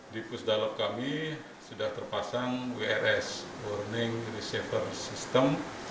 di pusat dalam kami sudah terpasang wrs warning receiver system